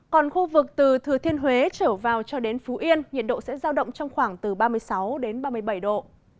còn khu vực từ thừa thiên huế trở vào cho đến phú yên nhiệt độ sẽ giao động trong khoảng từ ba mươi sáu đến ba mươi bảy độ